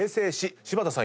柴田さん